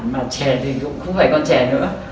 mà trẻ thì cũng không phải con trẻ nữa